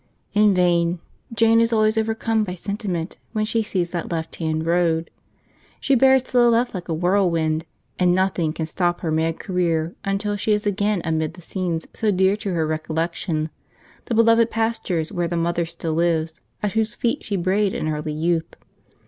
In vain: Jane is always overcome by sentiment when she sees that left hand road. She bears to the left like a whirlwind, and nothing can stop her mad career until she is again amid the scenes so dear to her recollection, the beloved pastures where the mother still lives at whose feet she brayed in early youth!